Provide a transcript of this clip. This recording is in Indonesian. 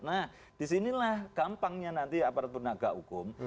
nah disinilah gampangnya nanti aparat penegak hukum